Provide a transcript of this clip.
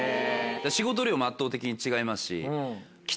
仕事量も圧倒的に違いますし。